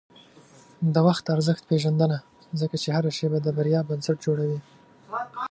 د وخت ارزښت پېژنه، ځکه چې هره شېبه د بریا بنسټ جوړوي.